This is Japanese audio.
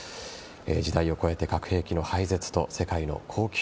時代を超えて核兵器の廃絶と世界の恒久